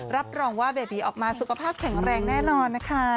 รับรองว่าเบบีออกมาสุขภาพแข็งแรงแน่นอนนะคะ